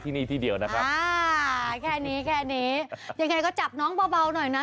ที่นี่ที่เดียวนะครับอ่าแค่นี้แค่นี้ยังไงก็จับน้องเบาหน่อยนะ